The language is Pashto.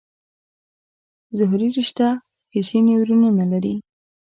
ظهري رشته حسي نیورونونه لري.